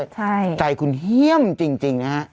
ใช่ใจคุณเฮี่ยมจริงนะฮะ